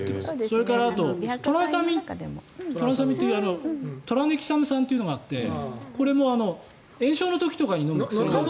それからトラサミンというトラネキサム酸というのがあってこれも炎症の時とかに飲む薬なんです。